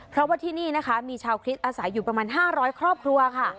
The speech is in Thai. เพราะว่าที่นี่นะคะมีชาวคริสต์อาศัยอยู่ประมาณ๕๐๐ครอบครัวค่ะ